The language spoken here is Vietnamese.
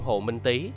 hồ minh tý